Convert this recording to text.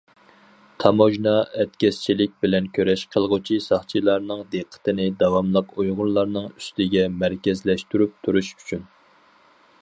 تاموژنا، ئەتكەسچىلىك بىلەن كۈرەش قىلغۇچى ساقچىلارنىڭ دىققىتىنى داۋاملىق ئۇيغۇرلارنىڭ ئۈستىگە مەركەزلەشتۈرۈپ تۇرۇش ئۈچۈن.